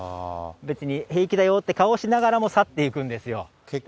別に平気だよって顔をしながらも、去っていくんですよ。